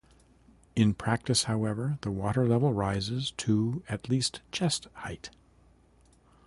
In practice, however, the water level rises to at least chest height.